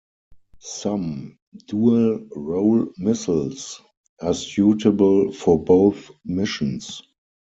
Some dual-role missiles are suitable for both missions.